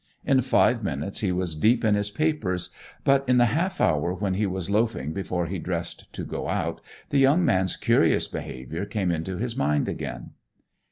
In five minutes he was deep in his papers; but in the half hour when he was loafing before he dressed to go out, the young man's curious behavior came into his mind again.